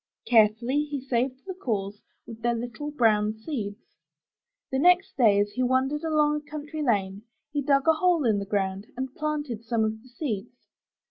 Carefully he saved the cores, with their little brown seeds. The next day, as he wandered along a country lane, he dug a hole in the ground and planted some of the seeds.